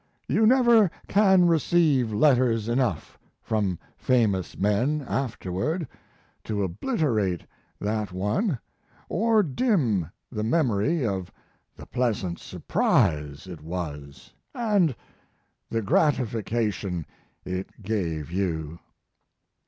You never can receive letters enough from famous men afterward to obliterate that one or dim the memory of the pleasant surprise it was and the gratification it gave you.